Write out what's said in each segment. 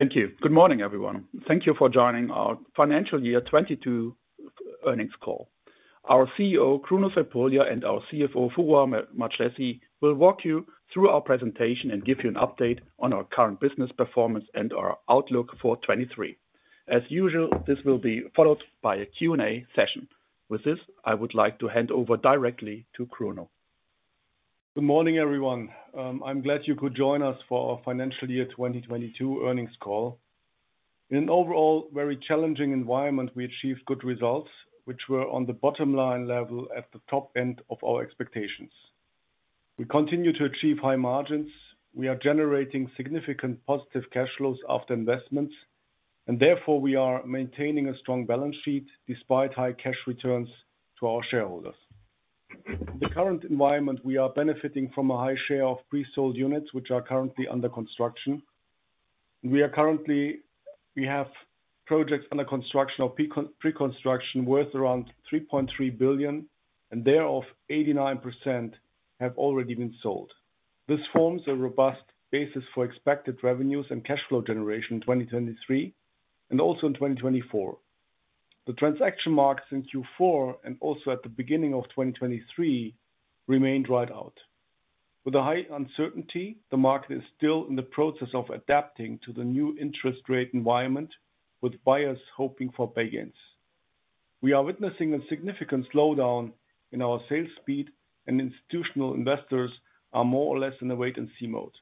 Thank you. Good morning, everyone. Thank you for joining our financial year 2022 earnings call. Our CEO, Kruno Crepulja, and our CFO, Foruhar Madjlessi will walk you through our presentation and give you an update on our current business performance and our outlook for 2023. As usual, this will be followed by a Q&A session. With this, I would like to hand over directly to Kruno. Good morning, everyone. I'm glad you could join us for our financial year 2022 earnings call. In an overall very challenging environment, we achieved good results, which were on the bottom line level at the top end of our expectations. We continue to achieve high margins. We are generating significant positive cash flows after investments. Therefore, we are maintaining a strong balance sheet despite high cash returns to our shareholders. The current environment, we are benefiting from a high share of pre-sold units, which are currently under construction. We have projects under construction or pre-construction worth around 3.3 billion and thereof, 89% have already been sold. This forms a robust basis for expected revenues and cash flow generation in 2023 and also in 2024. The transaction markets in Q4 and also at the beginning of 2023 remained dried out. With a high uncertainty, the market is still in the process of adapting to the new interest rate environment with buyers hoping for bargains. We are witnessing a significant slowdown in our sales speed. Institutional investors are more or less in a wait and see mode.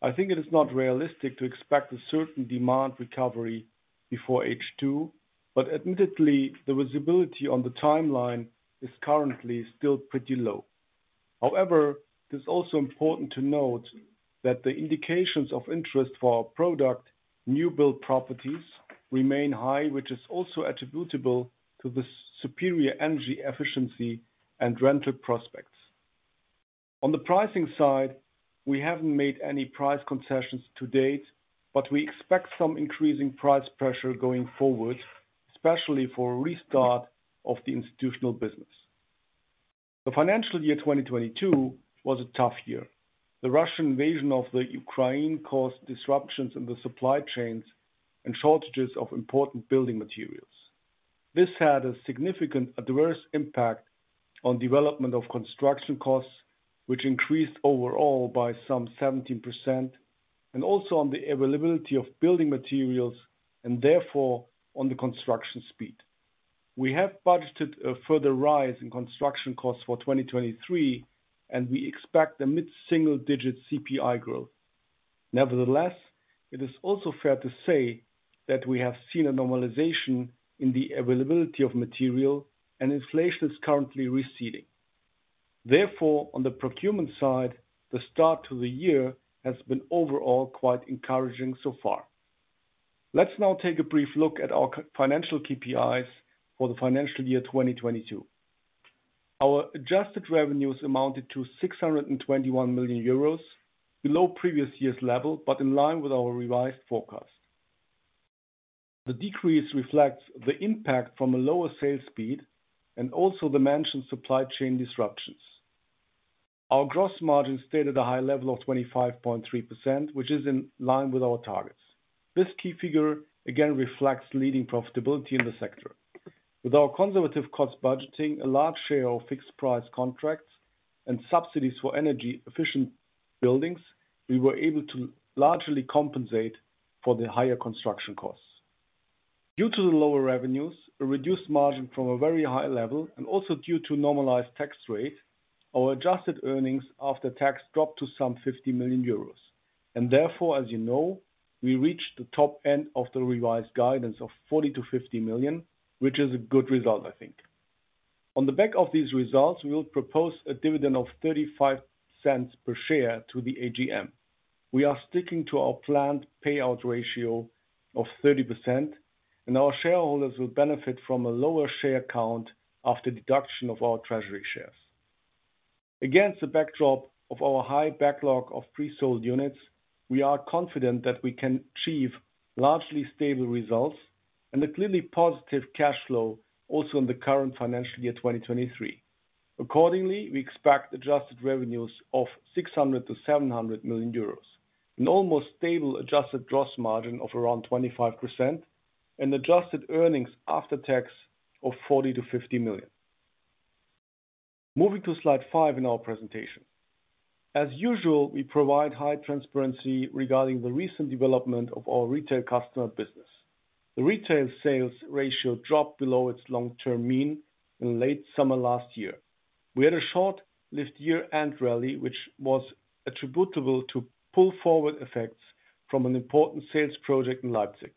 I think it is not realistic to expect a certain demand recovery before H2. Admittedly, the visibility on the timeline is currently still pretty low. It is also important to note that the indications of interest for our product, new build properties, remain high, which is also attributable to the superior energy efficiency and rental prospects. On the pricing side, we haven't made any price concessions to date. We expect some increasing price pressure going forward, especially for a restart of the institutional business. The financial year 2022 was a tough year. The Russian invasion of Ukraine caused disruptions in the supply chains and shortages of important building materials. This had a significant adverse impact on development of construction costs, which increased overall by some 17% and also on the availability of building materials and therefore on the construction speed. We have budgeted a further rise in construction costs for 2023. We expect a mid-single digit CPI growth. Nevertheless, it is also fair to say that we have seen a normalization in the availability of material and inflation is currently receding. On the procurement side, the start to the year has been overall quite encouraging so far. Let's now take a brief look at our financial KPIs for the financial year 2022. Our adjusted revenues amounted to 621 million euros, below previous year's level, but in line with our revised forecast. The decrease reflects the impact from a lower sales speed and also the mentioned supply chain disruptions. Our gross margin stayed at a high level of 25.3%, which is in line with our targets. This key figure again reflects leading profitability in the sector. With our conservative cost budgeting, a large share of fixed price contracts and subsidies for energy efficient buildings, we were able to largely compensate for the higher construction costs. Due to the lower revenues, a reduced margin from a very high level, and also due to normalized tax rate, our adjusted earnings after tax dropped to some 50 million euros. Therefore, as you know, we reached the top end of the revised guidance of 40 million-50 million, which is a good result, I think. On the back of these results, we will propose a dividend of 0.35 per share to the AGM. We are sticking to our planned payout ratio of 30%. Our shareholders will benefit from a lower share count after deduction of our treasury shares. Against the backdrop of our high backlog of pre-sold units, we are confident that we can achieve largely stable results and a clearly positive cash flow also in the current financial year, 2023. Accordingly, we expect adjusted revenues of 600 million-700 million euros. An almost stable adjusted gross margin of around 25% and adjusted earnings after tax of 40 million-50 million. Moving to slide five in our presentation. As usual, we provide high transparency regarding the recent development of our retail customer business. The retail sales ratio dropped below its long-term mean in late summer last year. We had a short list year-end rally, which was attributable to pull forward effects from an important sales project in Leipzig.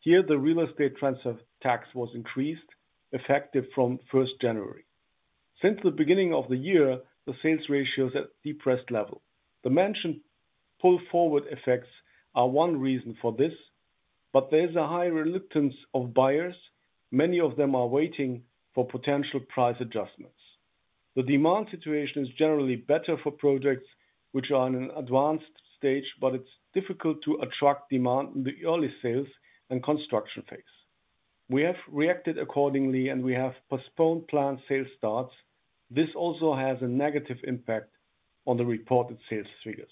Here, the real estate transfer tax was increased, effective from first January. Since the beginning of the year, the sales ratio is at depressed level. The mentioned pull forward effects are one reason for this, but there's a high reluctance of buyers. Many of them are waiting for potential price adjustments. The demand situation is generally better for projects which are in an advanced stage, but it's difficult to attract demand in the early sales and construction phase. We have reacted accordingly, and we have postponed planned sales starts. This also has a negative impact on the reported sales figures.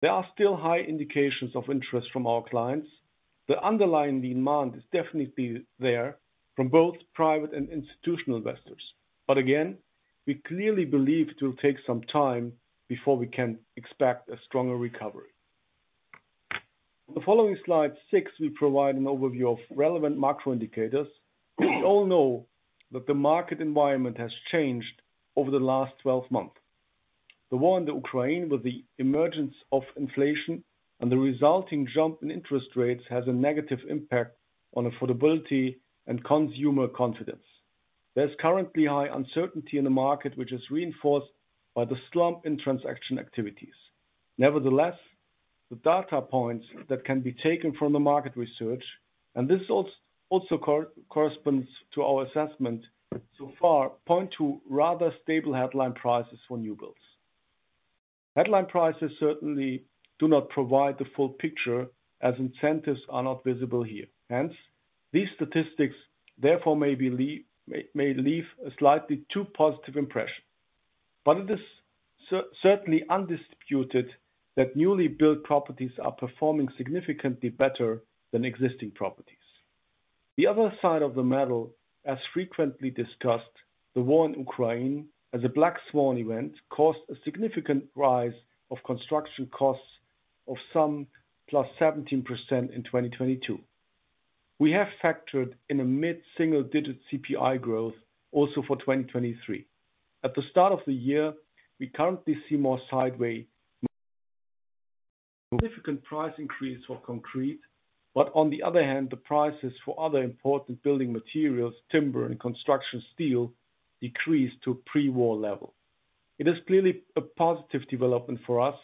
There are still high indications of interest from our clients. The underlying demand is definitely there from both private and institutional investors. Again, we clearly believe it will take some time before we can expect a stronger recovery. The following slide, six, we provide an overview of relevant macro indicators. We all know that the market environment has changed over the last 12 months. The war in the Ukraine, with the emergence of inflation and the resulting jump in interest rates, has a negative impact on affordability and consumer confidence. There's currently high uncertainty in the market, which is reinforced by the slump in transaction activities. Nevertheless, the data points that can be taken from the market research, and this also corresponds to our assessment so far, point to rather stable headline prices for new builds. Headline prices certainly do not provide the full picture, as incentives are not visible here. Hence, these statistics, therefore, may leave a slightly too positive impression. But it is certainly undisputed that newly built properties are performing significantly better than existing properties. The other side of the medal, as frequently discussed, the war in Ukraine as a Black Swan event, caused a significant rise of construction costs of some +17% in 2022. We have factored in a mid-single digit CPI growth also for 2023. At the start of the year, we currently see more. Significant price increase for concrete, but on the other hand, the prices for other important building materials, timber and construction steel, decreased to pre-war level. It is clearly a positive development for us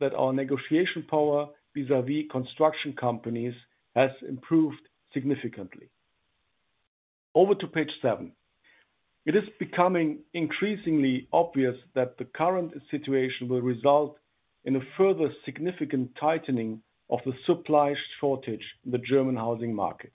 that our negotiation power vis-à-vis construction companies has improved significantly. Over to page seven. It is becoming increasingly obvious that the current situation will result in a further significant tightening of the supply shortage in the German housing market.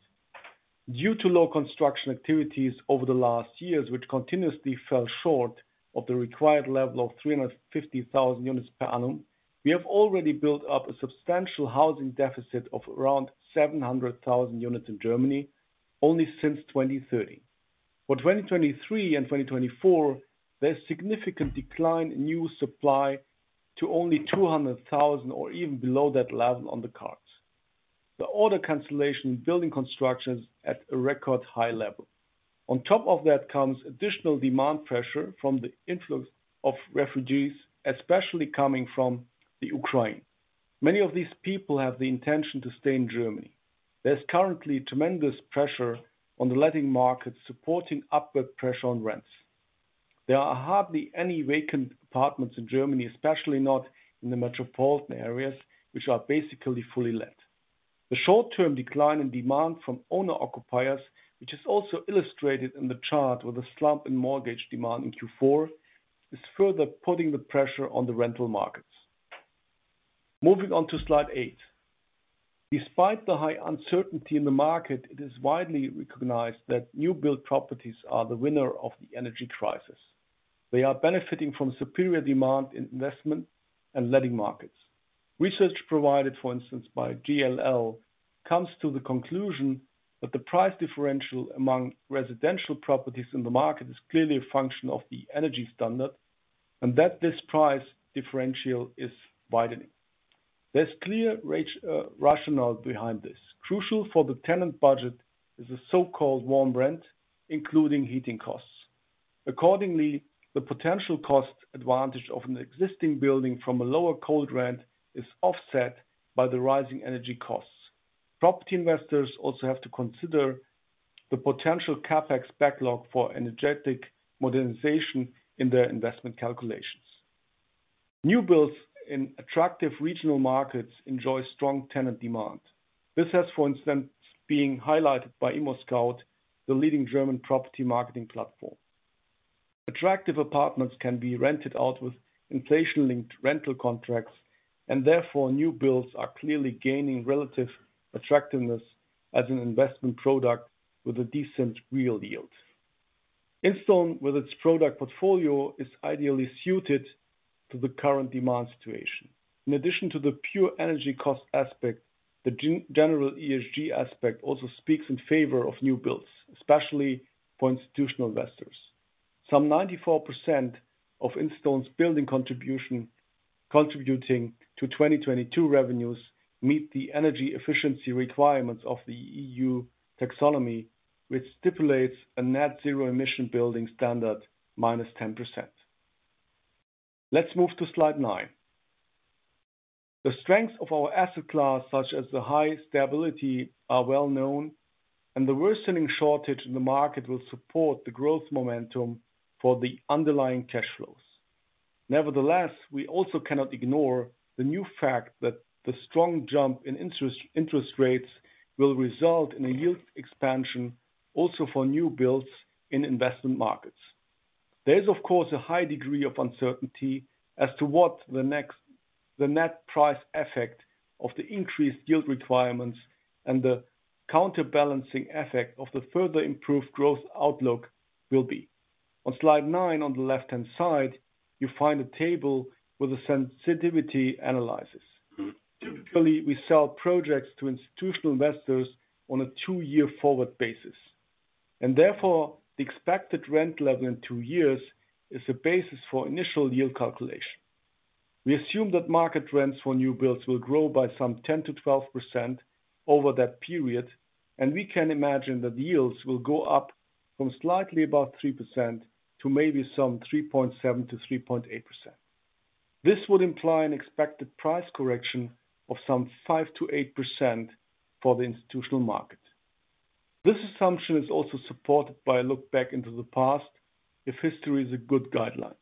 Due to low construction activities over the last years, which continuously fell short of the required level of 350,000 units per annum, we have already built up a substantial housing deficit of around 700,000 units in Germany only since 2013. For 2023 and 2024, there's significant decline in new supply to only 200,000 units or even below that level on the cards. The order cancellation building construction's at a record high level. On top of that comes additional demand pressure from the influx of refugees, especially coming from the Ukraine. Many of these people have the intention to stay in Germany. There's currently tremendous pressure on the letting market, supporting upward pressure on rents. There are hardly any vacant apartments in Germany, especially not in the metropolitan areas, which are basically fully let. The short-term decline in demand from owner-occupiers, which is also illustrated in the chart with a slump in mortgage demand in Q4, is further putting the pressure on the rental markets. Moving on to slide eight. Despite the high uncertainty in the market, it is widely recognized that new build properties are the winner of the energy crisis. They are benefiting from superior demand in investment and letting markets. Research provided, for instance, by JLL, comes to the conclusion that the price differential among residential properties in the market is clearly a function of the energy standard, and that this price differential is widening. There's clear rationale behind this. Crucial for the tenant budget is the so-called warm rent, including heating costs. Accordingly, the potential cost advantage of an existing building from a lower cold rent is offset by the rising energy costs. Property investors also have to consider the potential CapEx backlog for energetic modernization in their investment calculations. New builds in attractive regional markets enjoy strong tenant demand. This has, for instance, been highlighted by ImmoScout, the leading German property marketing platform. Attractive apartments can be rented out with inflation-linked rental contracts and therefore, new builds are clearly gaining relative attractiveness as an investment product with a decent real yield. Instone, with its product portfolio, is ideally suited to the current demand situation. In addition to the pure energy cost aspect, the general ESG aspect also speaks in favor of new builds, especially for institutional investors. Some 94% of Instone's building contribution, contributing to 2022 revenues, meet the energy efficiency requirements of the EU Taxonomy, which stipulates a net zero emission building standard _10%. Let's move to slide nine. The strengths of our asset class, such as the high stability, are well known, and the worsening shortage in the market will support the growth momentum for the underlying cash flows. Nevertheless, we also cannot ignore the new fact that the strong jump in interest rates will result in a yield expansion also for new builds in investment markets. There is of course, a high degree of uncertainty as to what the net price effect of the increased yield requirements and the counterbalancing effect of the further improved growth outlook will be. On slide nine, on the left-hand side, you find a table with a sensitivity analysis. Usually, we sell projects to institutional investors on a two-year forward basis, and therefore the expected rent level in two years is the basis for initial yield calculation. We assume that market rents for new builds will grow by some 10%-12% over that period, and we can imagine that the yields will go up from slightly above 3% to maybe some 3.7%-3.8%. This would imply an expected price correction of some 5%-8% for the institutional market. This assumption is also supported by a look back into the past, if history is a good guideline.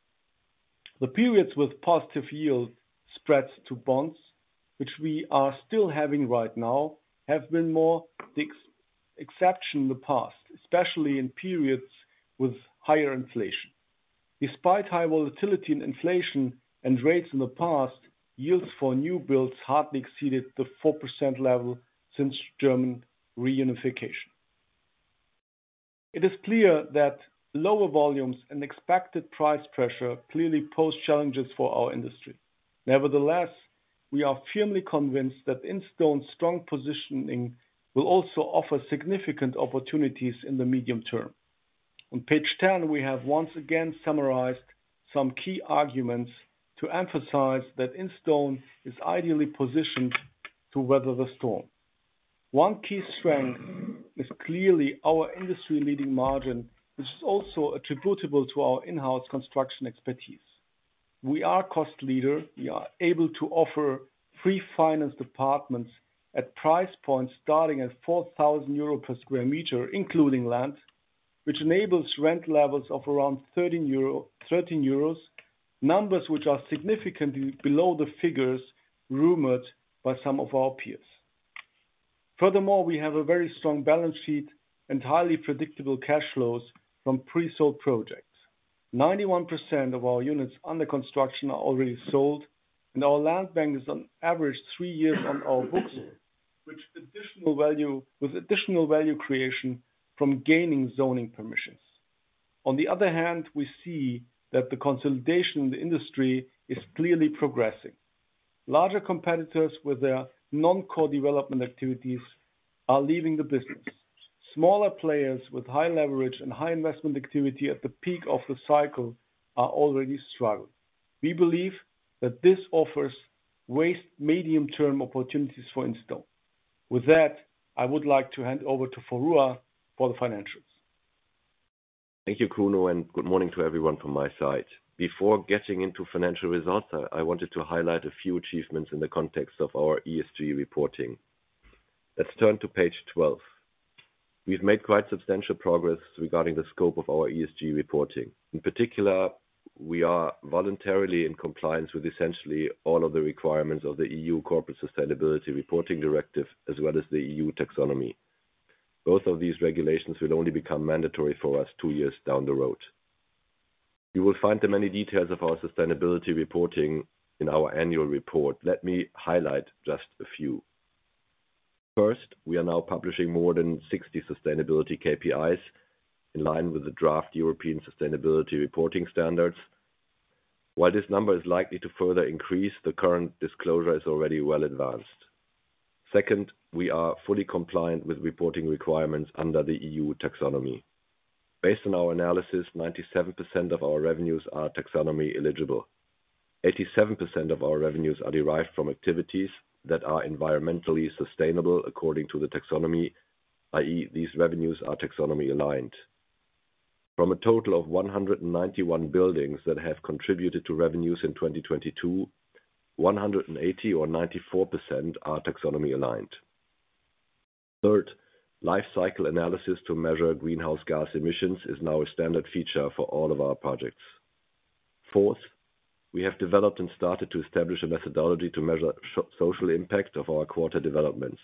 The periods with positive yield spreads to bonds, which we are still having right now, have been more the exception in the past, especially in periods with higher inflation. Despite high volatility in inflation and rates in the past, yields for new builds hardly exceeded the 4% level since German reunification. It is clear that lower volumes and expected price pressure clearly pose challenges for our industry. Nevertheless, we are firmly convinced that Instone's strong positioning will also offer significant opportunities in the medium term. On page 10, we have once again summarized some key arguments to emphasize that Instone is ideally positioned to weather the storm. One key strength is clearly our industry-leading margin, which is also attributable to our in-house construction expertise. We are a cost leader. We are able to offer free finance department at price points starting at 4,000 euro per sq m, including land, which enables rent levels of around 13 euros. Numbers which are significantly below the figures rumored by some of our peers. Furthermore, we have a very strong balance sheet and highly predictable cash flows from pre-sold projects. 91% of our units under construction are already sold. Our land bank is on average three years on our books, with additional value creation from gaining zoning permissions. On the other hand, we see that the consolidation in the industry is clearly progressing. Larger competitors with their non-core development activities are leaving the business. Smaller players with high leverage and high investment activity at the peak of the cycle are already struggling. We believe that this offers great medium-term opportunities for Instone. With that, I would like to hand over to Foruhar for the financials. Thank you, Kruno, good morning to everyone from my side. Before getting into financial results, I wanted to highlight a few achievements in the context of our ESG reporting. Let's turn to page 12. We've made quite substantial progress regarding the scope of our ESG reporting. In particular, we are voluntarily in compliance with essentially all of the requirements of the EU Corporate Sustainability Reporting Directive, as well as the EU Taxonomy. Both of these regulations will only become mandatory for us two years down the road. You will find the many details of our sustainable reporting in our annual report. Let me highlight just a few. First, we are now publishing more than 60 sustainability KPIs in line with the Draft European Sustainability Reporting Standards. While this number is likely to further increase, the current disclosure is already well advanced. We are fully compliant with reporting requirements under the EU Taxonomy. Based on our analysis, 97% of our revenues are taxonomy eligible. 87% of our revenues are derived from activities that are environmentally sustainable according to the Taxonomy, i.e., these revenues are taxonomy aligned. From a total of 191 buildings that have contributed to revenues in 2022, 180 or 94% are taxonomy aligned. Life cycle analysis to measure greenhouse gas emissions is now a standard feature for all of our projects. We have developed and started to establish a methodology to measure social impact of our quarter developments.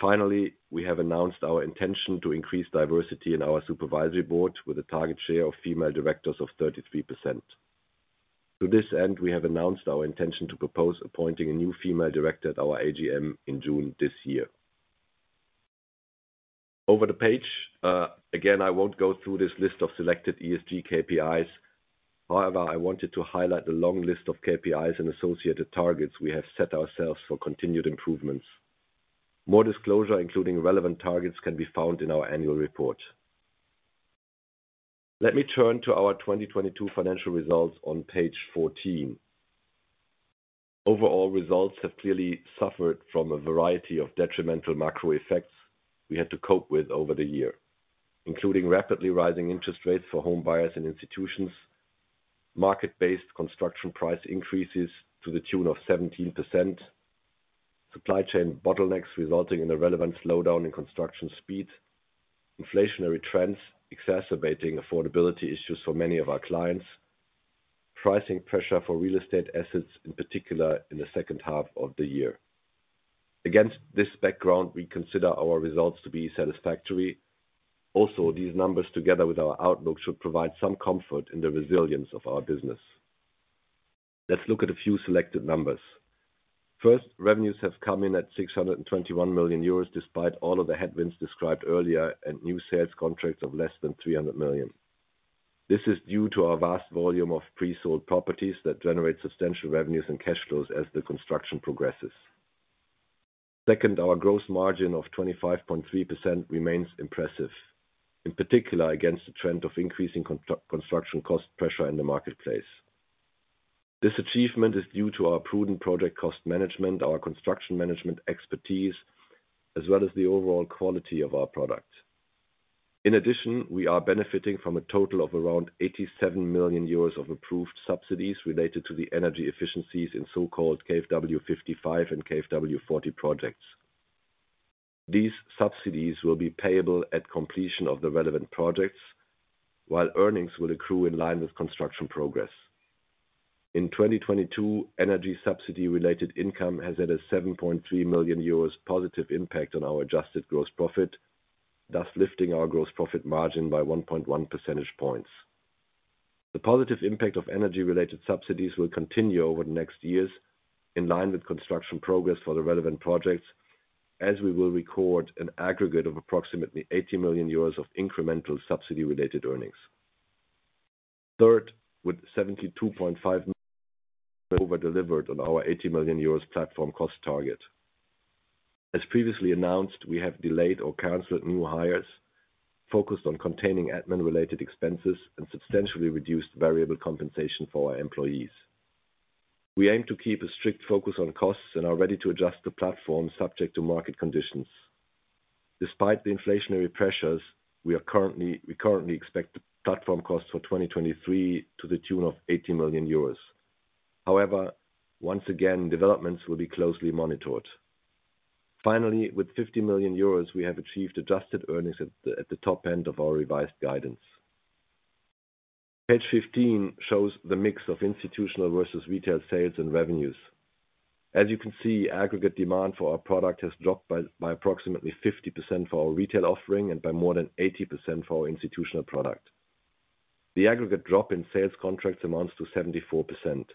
Finally, we have announced our intention to increase diversity in our supervisory board with a target share of female directors of 33%. To this end, we have announced our intention to propose appointing a new female director at our AGM in June this year. Over the page, again, I won't go through this list of selected ESG KPIs. However, I wanted to highlight the long list of KPIs and associated targets we have set ourselves for continued improvements. More disclosure, including relevant targets, can be found in our annual report. Let me turn to our 2022 financial results on page 14. Overall results have clearly suffered from a variety of detrimental macro effects we had to cope with over the year, including rapidly rising interest rates for home buyers and institutions, market-based construction price increases to the tune of 17%, supply chain bottlenecks resulting in a relevant slowdown in construction speed, inflationary trends exacerbating affordability issues for many of our clients. Pricing pressure for real estate assets, in particular in the H2 of the year. Against this background, we consider our results to be satisfactory. These numbers, together with our outlook, should provide some comfort in the resilience of our business. Let's look at a few selected numbers. First, revenues have come in at 621 million euros, despite all of the headwinds described earlier and new sales contracts of less than 300 million. This is due to our vast volume of pre-sold properties that generate substantial revenues and cash flows as the construction progresses. Second, our gross margin of 25.3% remains impressive, in particular against the trend of increasing construction cost pressure in the marketplace. This achievement is due to our prudent project cost management, our construction management expertise, as well as the overall quality of our product. In addition, we are benefiting from a total of around 87 million euros of approved subsidies related to the energy efficiencies in so-called KfW 55 and KfW 40 projects. These subsidies will be payable at completion of the relevant projects, while earnings will accrue in line with construction progress. In 2022, energy subsidy related income has had a 7.3 million euros positive impact on our adjusted gross profit, thus lifting our gross profit margin by 1.1 percentage points. The positive impact of energy-related subsidies will continue over the next years in line with construction progress for the relevant projects, as we will record an aggregate of approximately 80 million euros of incremental subsidy-related earnings. Third, with 72.5 million we over delivered on our 80 million euros platform cost target. As previously announced, we have delayed or canceled new hires, focused on containing admin related expenses, and substantially reduced variable compensation for our employees. We aim to keep a strict focus on costs and are ready to adjust the platform subject to market conditions. Despite the inflationary pressures, we currently expect the platform costs for 2023 to the tune of 80 million euros. Once again, developments will be closely monitored. Finally, with 50 million euros, we have achieved adjusted earnings at the top end of our revised guidance. Page 15 shows the mix of institutional versus retail sales and revenues. As you can see, aggregate demand for our product has dropped by approximately 50% for our retail offering and by more than 80% for our institutional product. The aggregate drop in sales contracts amounts to 74%.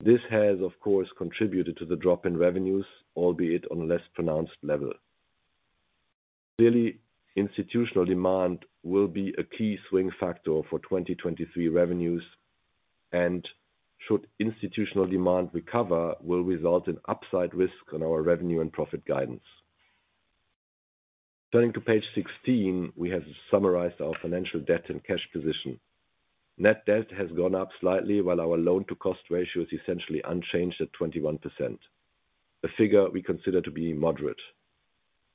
This has, of course, contributed to the drop in revenues, albeit on a less pronounced level. Clearly, institutional demand will be a key swing factor for 2023 revenues, and should institutional demand recover will result in upside risk on our revenue and profit guidance. Turning to page 16, we have summarized our financial debt and cash position. Net debt has gone up slightly while our loan to cost ratio is essentially unchanged at 21%. A figure we consider to be moderate.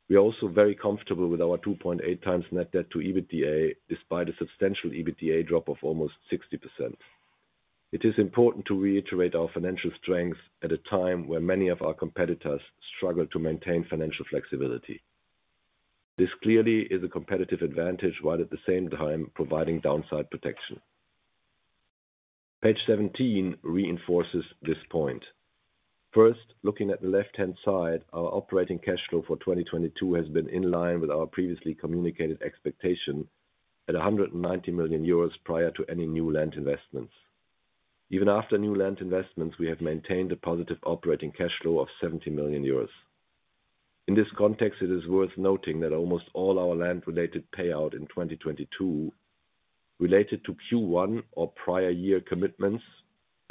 We are also very comfortable with our 2.8x net debt to EBITDA, despite a substantial EBITDA drop of almost 60%. It is important to reiterate our financial strength at a time where many of our competitors struggle to maintain financial flexibility. This clearly is a competitive advantage while at the same time providing downside protection. Page 17 reinforces this point. First, looking at the left-hand side, our operating cash flow for 2022 has been in line with our previously communicated expectation at 190 million euros prior to any new land investments. Even after new land investments, we have maintained a positive operating cash flow of 70 million euros. In this context, it is worth noting that almost all our land-related payout in 2022 related to Q1 or prior year commitments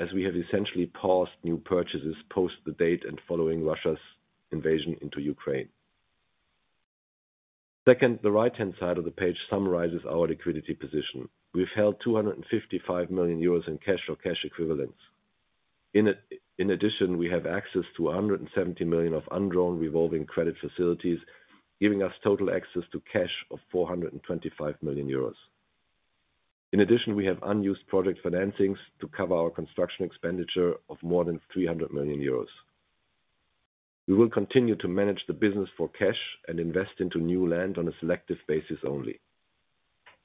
as we have essentially paused new purchases post the date and following Russia's invasion into Ukraine. Second, the right-hand side of the page summarizes our liquidity position. We've held 255 million euros in cash or cash equivalents. In addition, we have access to 170 million of undrawn revolving credit facilities, giving us total access to cash of 425 million euros. In addition, we have unused project financings to cover our construction expenditure of more than 300 million euros. We will continue to manage the business for cash and invest into new land on a selective basis only.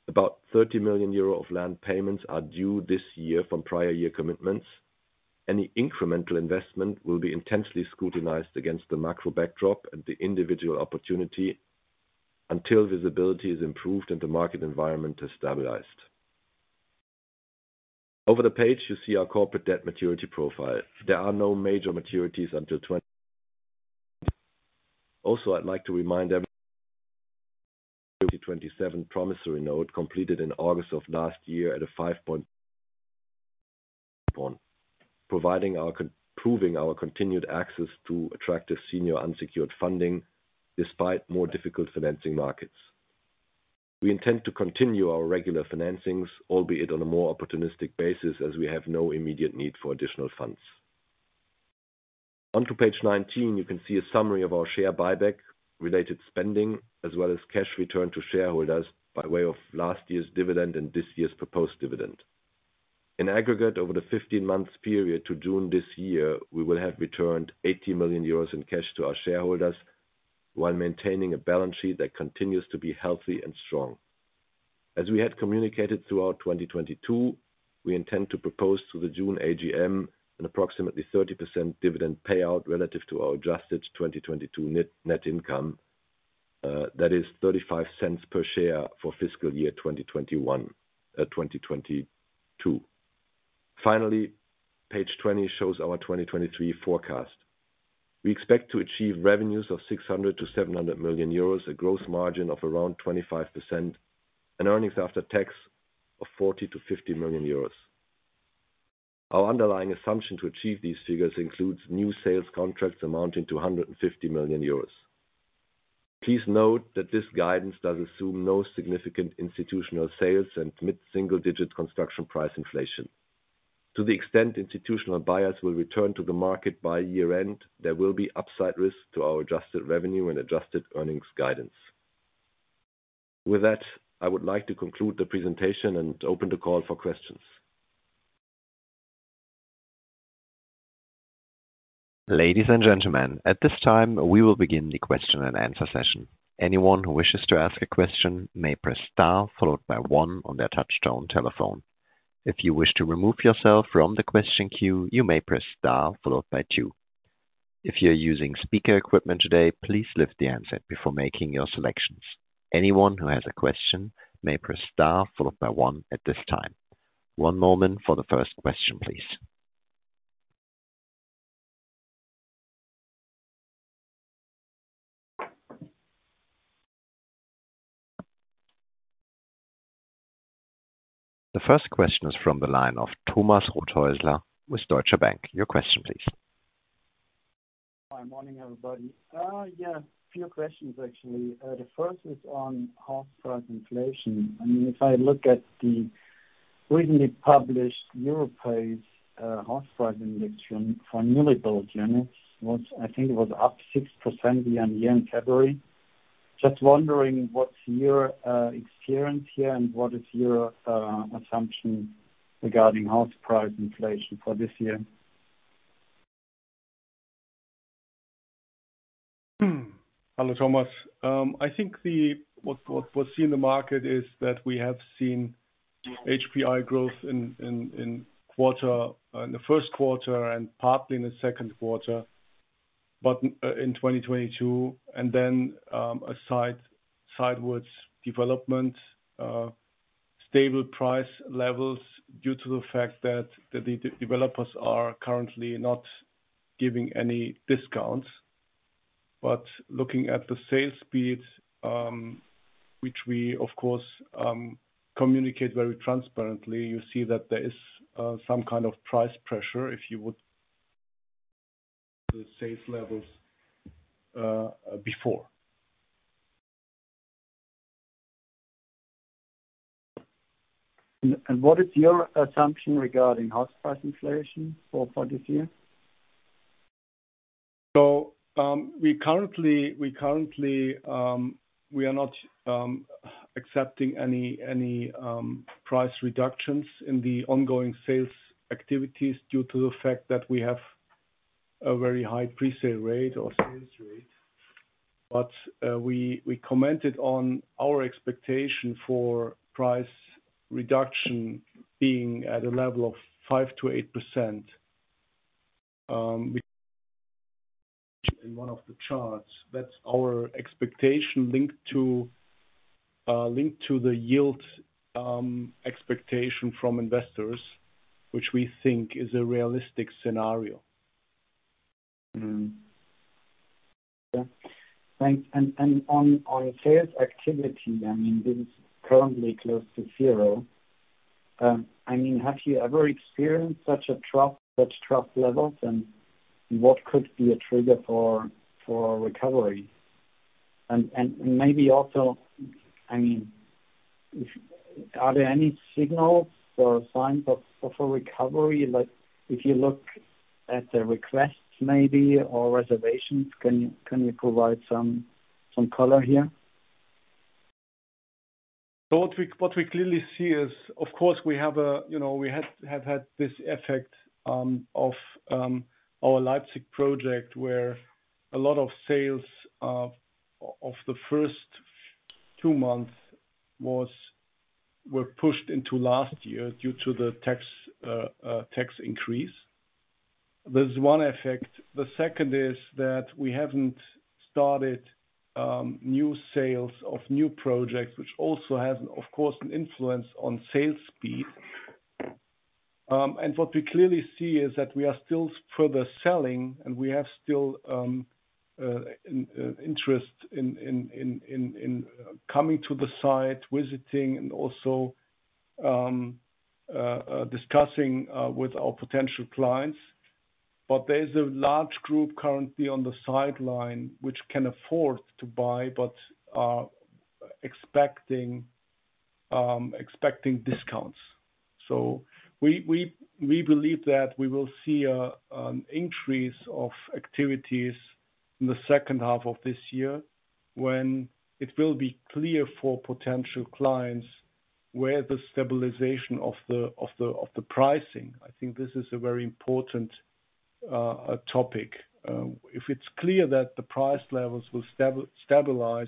About 30 million euro of land payments are due this year from prior year commitments. Any incremental investment will be intensely scrutinized against the macro backdrop and the individual opportunity until visibility is improved and the market environment has stabilized. Over the page you see our corporate debt maturity profile. There are no major maturities until twenty. Also, I'd like to remind every 2027 promissory note completed in August of last year at a five point one proving our continued access to attractive senior unsecured funding despite more difficult financing markets. We intend to continue our regular financings, albeit on a more opportunistic basis as we have no immediate need for additional funds. On to page 19, you can see a summary of our share buyback related spending, as well as cash returned to shareholders by way of last year's dividend and this year's proposed dividend. In aggregate over the 15 months period to June this year, we will have returned 80 million euros in cash to our shareholders. While maintaining a balance sheet that continues to be healthy and strong. As we had communicated throughout 2022, we intend to propose to the June AGM an approximately 30% dividend payout relative to our adjusted 2022 net income. That is 0.35 per share for fiscal year 2021, 2022. Page 20 shows our 2023 forecast. We expect to achieve revenues of 600 million-700 million euros, a growth margin of around 25%, and earnings after tax of 40 million-50 million euros. Our underlying assumption to achieve these figures includes new sales contracts amounting to 150 million euros. Please note that this guidance does assume no significant institutional sales and mid-single digit construction price inflation. To the extent institutional buyers will return to the market by year-end, there will be upside risk to our adjusted revenue and adjusted earnings guidance. With that, I would like to conclude the presentation and open the call for questions. Ladies and gentlemen, at this time we will begin the question and answer session. Anyone who wishes to ask a question may press star followed by one on their touchtone telephone. If you wish to remove yourself from the question queue, you may press star followed by two. If you're using speaker equipment today, please lift the handset before making your selections. Anyone who has a question may press star followed by one at this time. One moment for the first question, please. The first question is from the line of Thomas Rothäusler with Deutsche Bank. Your question please. Hi. Morning, everybody. A few questions actually. The first is on house price inflation. I mean, if I look at the recently published Europace, house price index for newly built units, I think it was up 6% year-on-year in February. Just wondering what's your experience here and what is your assumption regarding house price inflation for this year? Hello, Thomas. I think what was seen in the market is that we have seen HPI growth in the Q1 and partly in the Q2 in 2022. A sidewards development, stable price levels due to the fact that the developers are currently not giving any discounts. Looking at the sales speed, which we of course communicate very transparently, you see that there is some kind of price pressure if you would the same levels before. What is your assumption regarding house price inflation for this year? We currently, we are not accepting any price reductions in the ongoing sales activities due to the fact that we have a very high presale rate or sales rate. We commented on our expectation for price reduction being at a level of 5%-8% in one of the charts. That's our expectation linked to the yield expectation from investors, which we think is a realistic scenario. Yeah. Thanks. On sales activity, I mean, this is currently close to zero. I mean, have you ever experienced such trough levels? What could be a trigger for recovery? Maybe also, I mean, are there any signals or signs of a recovery? Like if you look at the requests maybe or reservations, can you provide some color here? What we clearly see is, of course You know, we have had this effect of our Leipzig project, where a lot of sales of the first two months were pushed into last year due to the tax increase. There's one effect. The second is that we haven't started new sales of new projects, which also has of course an influence on sales speed. What we clearly see is that we are still further selling and we have still interest in coming to the site, visiting and also discussing with our potential clients. There's a large group currently on the sideline which can afford to buy but are expecting discounts. We believe that we will see an increase of activities in the H2 of this year when it will be clear for potential clients where the stabilization of the pricing. I think this is a very important topic. If it's clear that the price levels will stabilize,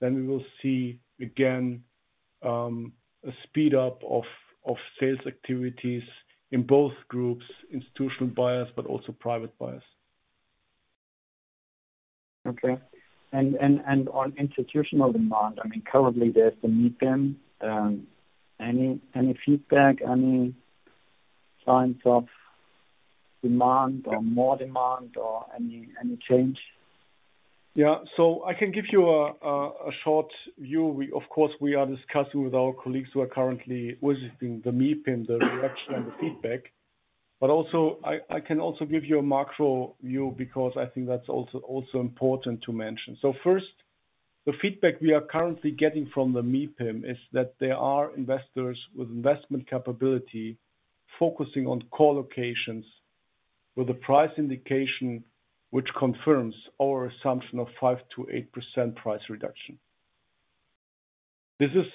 then we will see again, a speed up of sales activities in both groups, institutional buyers but also private buyers. Okay. On institutional demand, I mean, currently there's the MIPIM. Any feedback, any signs of demand or more demand or any change? I can give you a short view. We of course, we are discussing with our colleagues who are currently visiting the MIPIM, the direction and the feedback. I can also give you a macro view because I think that's also important to mention. First, the feedback we are currently getting from the MIPIM is that there are investors with investment capability focusing on co-living with a price indication which confirms our assumption of 5%-8% price reduction. This is,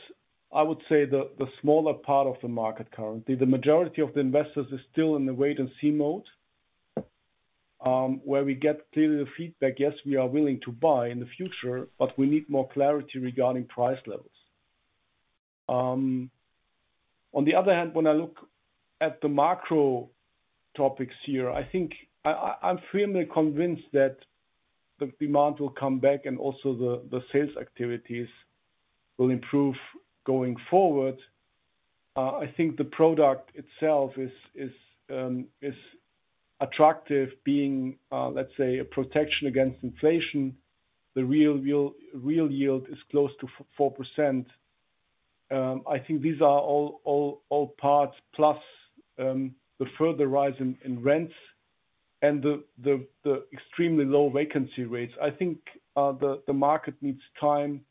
I would say, the smaller part of the market currently. The majority of the investors is still in the wait and see mode, where we get clearly the feedback, "Yes, we are willing to buy in the future, but we need more clarity regarding price levels." On the other hand, when I look at the macro topics here, I'm firmly convinced that the demand will come back and also the sales activities will improve going forward. I think the product itself is attractive being, let's say, a protection against inflation. The real yield is close to 4%. I think these are all parts plus the further rise in rents and the extremely low vacancy rates. I think the market needs time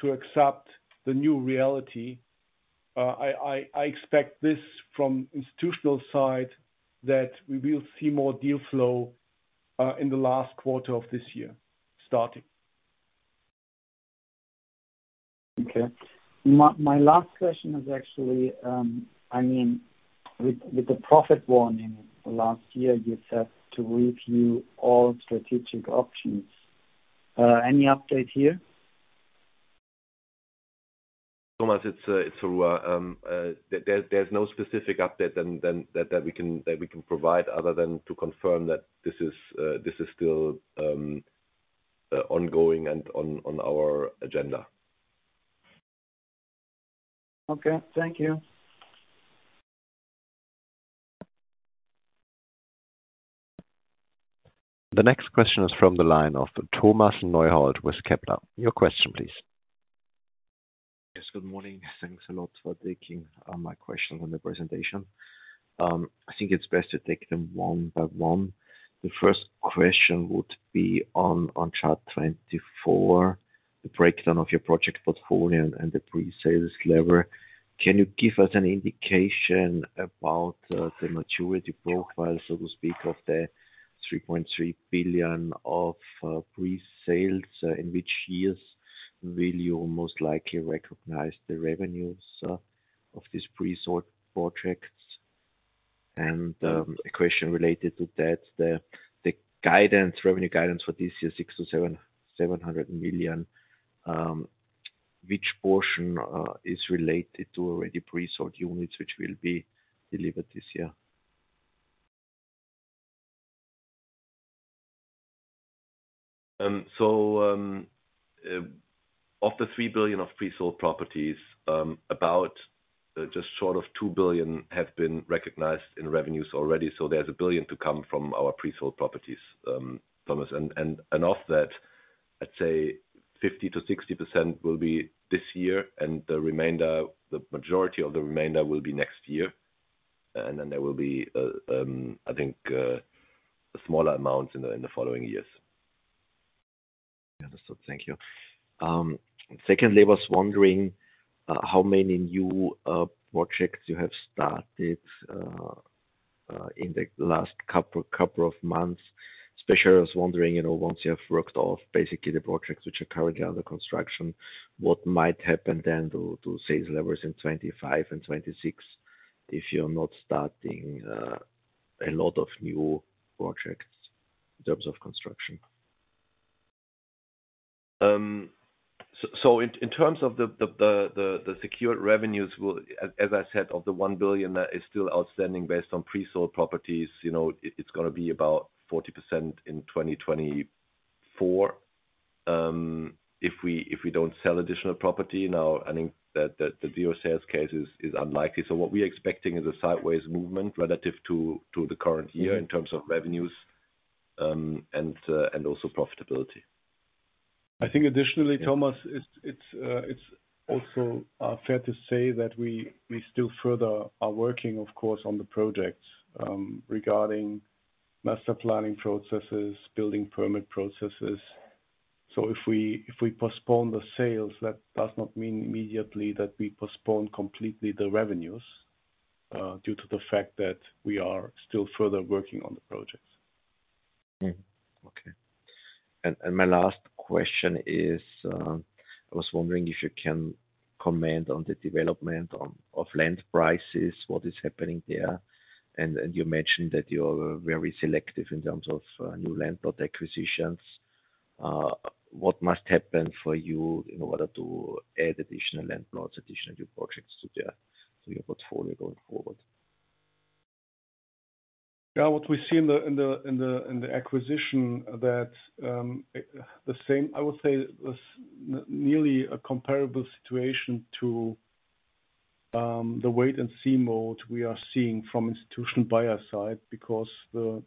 to accept the new reality. I expect this from institutional side, that we will see more deal flow, in the last quarter of this year, starting. Okay. My last question is actually, I mean, with the profit warning last year, you said to review all strategic options. Any update here? Thomas, it's Foruhar. There's no specific update than that we can provide other than to confirm that this is still ongoing and on our agenda. Okay. Thank you. The next question is from the line of Thomas Neuhold with Kepler. Your question please. Yes. Good morning. Thanks a lot for taking my question on the presentation. I think it's best to take them one by one. The first question would be on chart 24, the breakdown of your project portfolio and the pre-sales level. Can you give us an indication about the maturity profile, so to speak, of the 3.3 billion of pre-sales, in which years will you most likely recognize the revenues of these pre-sold projects? A question related to that, the guidance, revenue guidance for this year, 600 million-700 million, which portion is related to already pre-sold units which will be delivered this year? Of the 3 billion of pre-sold properties, about just short of 2 billion have been recognized in revenues already. There's 1 billion to come from our pre-sold properties, Thomas. Of that, I'd say 50%-60% will be this year, and the remainder, the majority of the remainder will be next year. There will be, I think, smaller amounts in the following years. Understood. Thank you. Secondly, I was wondering how many new projects you have started in the last couple of months. Especially I was wondering, you know, once you have worked off basically the projects which are currently under construction, what might happen then to sales levels in 2025 and 2026 if you're not starting a lot of new projects in terms of construction. In terms of the secured revenues will, as I said, of the 1 billion that is still outstanding based on pre-sold properties, you know, it's gonna be about 40% in 2024, if we don't sell additional property. I think that the zero sales case is unlikely. What we're expecting is a sideways movement relative to the current year in terms of revenues, and also profitability. I think additionally, Thomas, it's, it's also fair to say that we still further are working of course, on the projects regarding master planning processes, building permit processes. If we, if we postpone the sales, that does not mean immediately that we postpone completely the revenues due to the fact that we are still further working on the projects. Mm-hmm. My last question is, I was wondering if you can comment on the development of land prices, what is happening there. You mentioned that you are very selective in terms of new land plot acquisitions. What must happen for you in order to add additional land plots, additional new projects to your portfolio going forward? What we see in the acquisition that, I would say was nearly a comparable situation to the wait and see mode we are seeing from institutional buyer side because the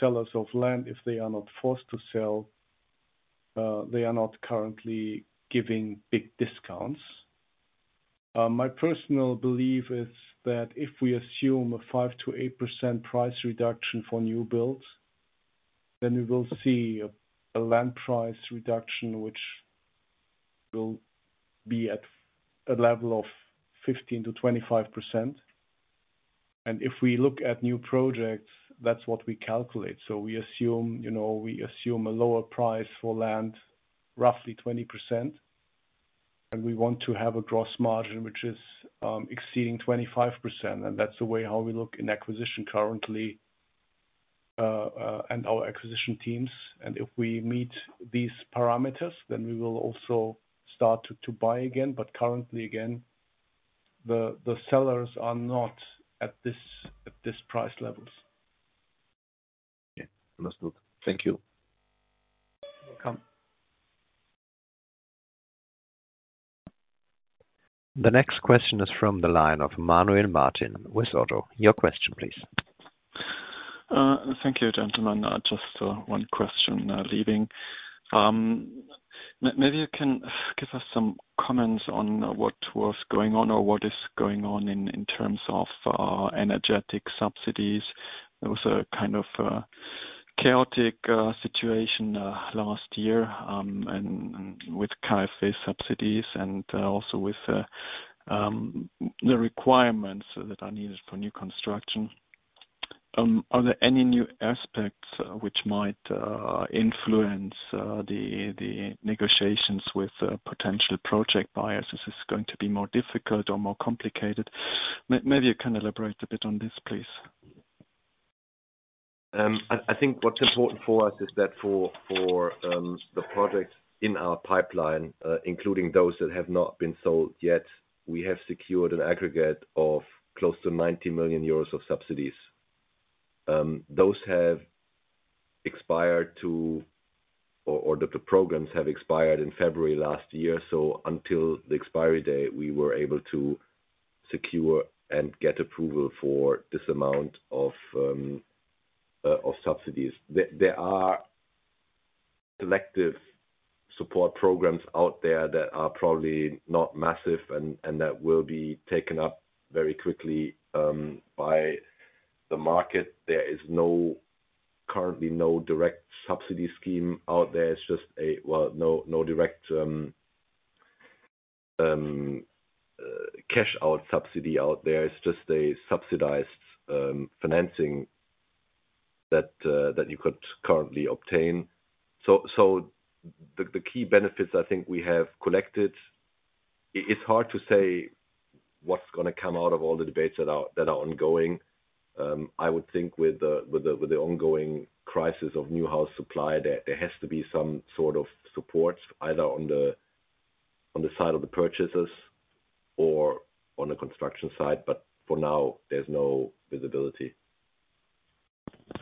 sellers of land, if they are not forced to sell, they are not currently giving big discounts. My personal belief is that if we assume a 5%-8% price reduction for new builds, then we will see a land price reduction, which will be at a level of 15%-25%. If we look at new projects, that's what we calculate. We assume, you know, we assume a lower price for land, roughly 20%. We want to have a gross margin which is exceeding 25%. That's the way how we look in acquisition currently, and our acquisition teams. If we meet these parameters, then we will also start to buy again. Currently, again, the sellers are not at this price levels. Yeah. Understood. Thank you. Welcome. The next question is from the line of Manuel Martin with ODDO BHF. Your question, please. Thank you, gentlemen. Just one question, leading. Maybe you can give us some comments on what was going on or what is going on in terms of energetic subsidies. There was a kind of a chaotic situation last year, and with KfW subsidies and also with the requirements that are needed for new construction. Are there any new aspects which might influence the negotiations with potential project buyers? Is this going to be more difficult or more complicated? Maybe you can elaborate a bit on this, please. I think what's important for us is that for the projects in our pipeline, including those that have not been sold yet, we have secured an aggregate of close to 90 million euros of subsidies. Those have expired to, or the programs have expired in February last year. Until the expiry date, we were able to secure and get approval for this amount of subsidies. There are selective support programs out there that are probably not massive and that will be taken up very quickly by the market. There is currently no direct subsidy scheme out there. Well, no direct cash out subsidy out there. It's just a subsidized financing that you could currently obtain. The key benefits I think we have collected, it's hard to say what's gonna come out of all the debates that are ongoing. I would think with the ongoing crisis of new house supply, there has to be some sort of support either on the side of the purchasers or on the construction side. For now, there's no visibility.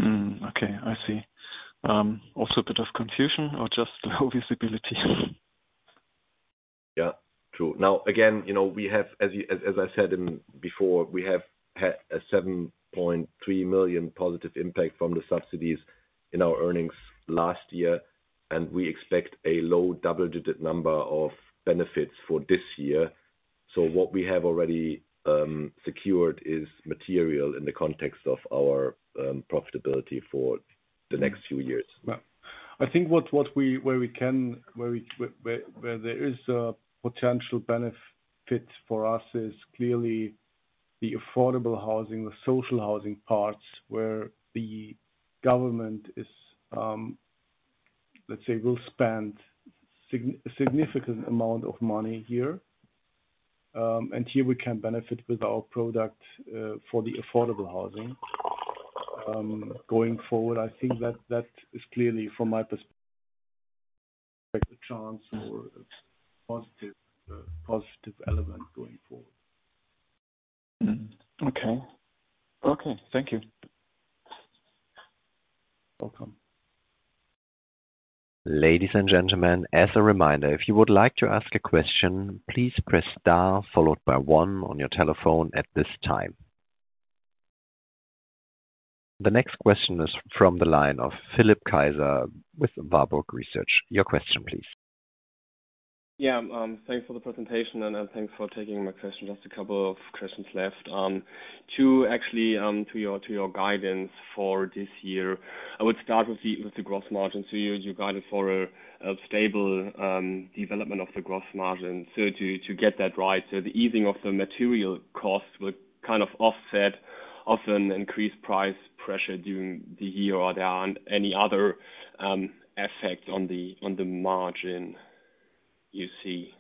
Okay. I see. Also a bit of confusion or just low visibility. Yeah, true. Again, you know, we have, as I said before, we have had a 7.3 million positive impact from the subsidies in our earnings last year. We expect a low double-digit number of benefits for this year. What we have already secured is material in the context of our profitability for the next few years. I think what we where there is a potential benefit for us is clearly the affordable housing, the social housing parts where the government is, let's say, will spend significant amount of money here. Here we can benefit with our product for the affordable housing. Going forward, I think that is clearly from my perspective, a chance or a positive element going forward. Mm-hmm. Okay. Okay. Thank you. Welcome. Ladies and gentlemen, as a reminder, if you would like to ask a question, please press star followed by one on your telephone at this time. The next question is from the line of Philipp Kaiser with M.M. Warburg. Your question, please. Yeah. Thanks for the presentation and thanks for taking my question. Just a couple of questions left. Two actually, to your guidance for this year. I would start with the gross margin. You guided for a stable development of the gross margin. To get that right. The easing of the material costs will kind of offset of an increased price pressure during the year. Are there any other effect on the margin you see?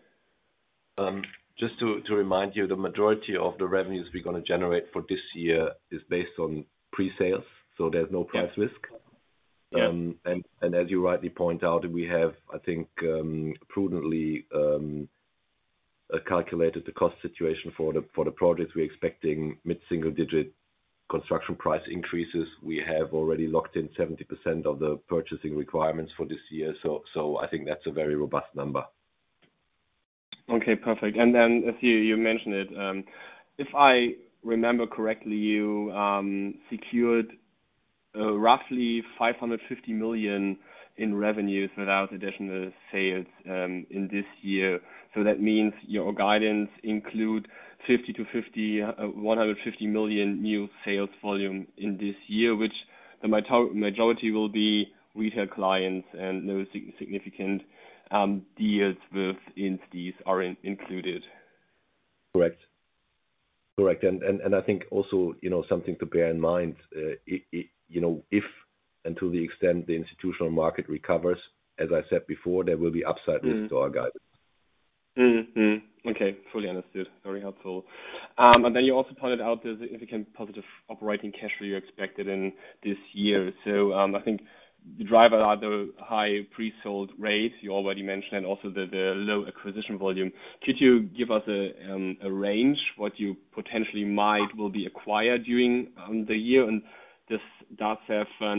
Just to remind you, the majority of the revenues we're gonna generate for this year is based on pre-sales. There's no price risk. Yeah. As you rightly point out, we have, I think, prudently, calculated the cost situation for the projects. We're expecting mid-single digit construction price increases. We have already locked in 70% of the purchasing requirements for this year. I think that's a very robust number. Perfect. As you mentioned it, if I remember correctly, you secured roughly 550 million in revenues without additional sales in this year. That means your guidance include 50 million-150 million new sales volume in this year, which the majority will be retail clients and no significant deals with entities are included. Correct. I think also, you know, something to bear in mind, you know, if and to the extent the institutional market recovers, as I said before, there will be upside risk to our guidance. Okay. Fully understood. Very helpful. Then you also pointed out the significant positive operating cash flow you expected in this year. I think the driver are the high pre-sold rates you already mentioned and also the low acquisition volume. Could you give us a range what you potentially might will be acquired during the year? This does have a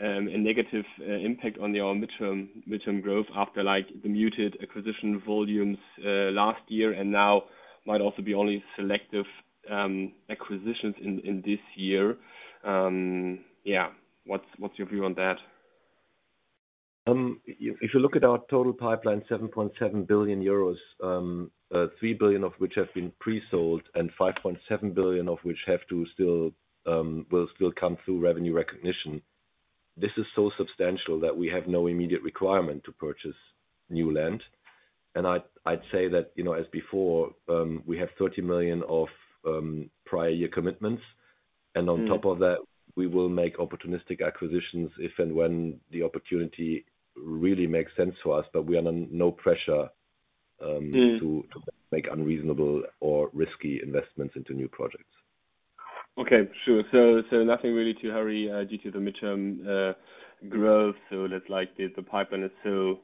negative impact on your midterm growth after like the muted acquisition volumes last year and now might also be only selective acquisitions in this year. Yeah. What's your view on that? If you look at our total pipeline, 7.7 billion euros, 3 billion of which have been pre-sold, and 5.7 billion of which have to still will still come through revenue recognition. This is so substantial that we have no immediate requirement to purchase new land. I'd say that, you know, as before, we have 30 million of prior year commitments. Mm. On top of that, we will make opportunistic acquisitions if and when the opportunity really makes sense to us. We are under no pressure. Mm to make unreasonable or risky investments into new projects. Okay, sure. Nothing really to hurry due to the midterm growth. The pipeline is so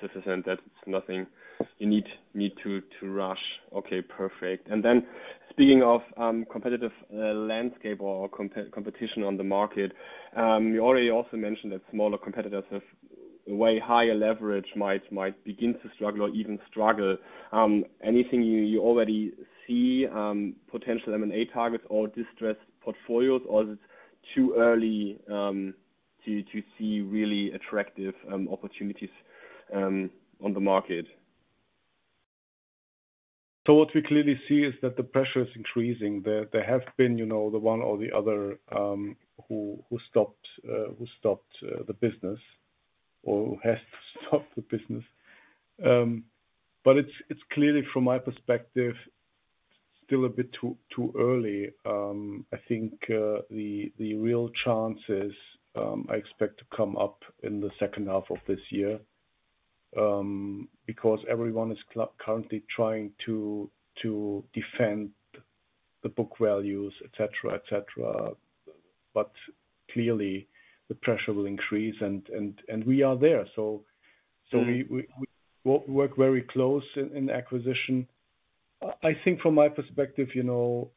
sufficient that it's nothing you need to rush. Okay, perfect. Speaking of competitive landscape or competition on the market, you already also mentioned that smaller competitors have way higher leverage might begin to struggle or even struggle. Anything you already see potential M&A targets or distressed portfolios or is it too early to see really attractive opportunities on the market? What we clearly see is that the pressure is increasing. There have been, you know, the one or the other who stopped the business or has to stop the business. It's clearly from my perspective, still a bit too early. I think the real chances I expect to come up in the H2 of this year because everyone is currently trying to defend the book values, et cetera, et cetera. Clearly the pressure will increase and we are there. We work very close in acquisition. I think from my perspective, you know,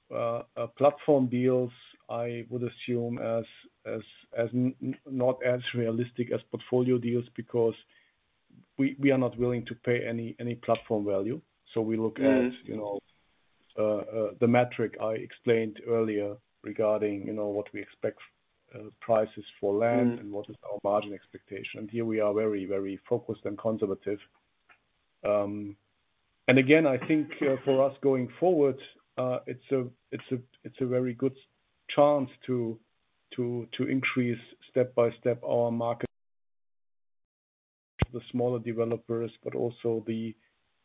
platform deals, I would assume as not as realistic as portfolio deals because we are not willing to pay any platform value. we look at- Mm... you know, the metric I explained earlier regarding, you know, what we expect, prices for land- Mm... and what is our margin expectation. Here we are very, very focused and conservative. Again, I think, for us going forward, it's a very good chance to increase step-by-step our market. The smaller developers, but also the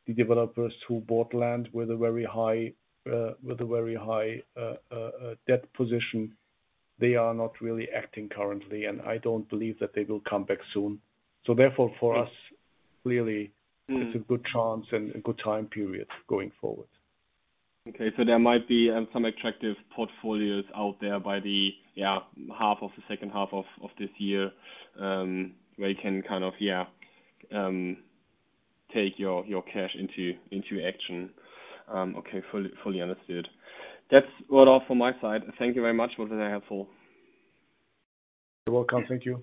developers who bought land with a very high debt position. They are not really acting currently, and I don't believe that they will come back soon. Therefore, for us, clearly. Mm It's a good chance and a good time period going forward. Okay. There might be some attractive portfolios out there by the 1/2 of the H2 of this year, where you can kind of take your cash into action. Okay. Fully, fully understood. That's well, all from my side. Thank you very much. Was very helpful. You're welcome. Thank you.